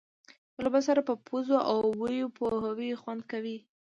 یو بل سره په پوزو او بوی پوهوي خوند کوي.